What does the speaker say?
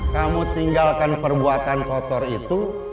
kamu tinggalkan perbuatan kotor itu